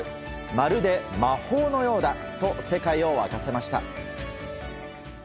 まるで魔法のようだと世界を沸かせました。